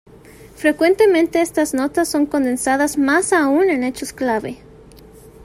Frecuentemente estas notas son condensadas más aún en hechos clave.